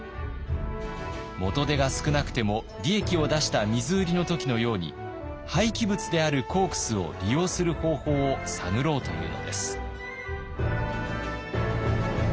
元手が少なくても利益を出した水売りの時のように廃棄物であるコークスを利用する方法を探ろうというのです。